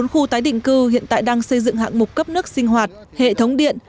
tám khu tái định cư hiện tại đang xây dựng hạng mục cấp nước sinh hoạt hệ thống điện